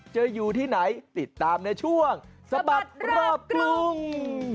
อยู่ที่ไหนติดตามในช่วงสะบัดรอบกรุง